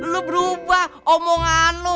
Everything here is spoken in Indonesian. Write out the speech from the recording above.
lu berubah omongan lu